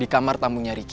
di kamar tamunya riki